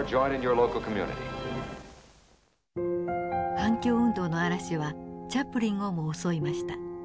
反共運動の嵐はチャップリンをも襲いました。